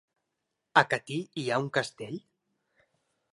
A Catí hi ha un castell?